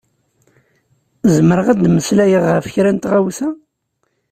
Zemreɣ ad d-meslayeɣ ɣef kra n tɣawsa?